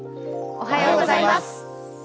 おはようございます。